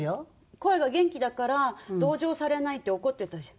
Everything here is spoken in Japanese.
「声が元気だから同情されない」って怒ってたじゃん。